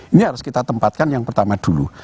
ini harus kita tempatkan yang pertama dulu